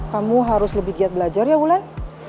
kamu harus lebih giat belajar ya wulan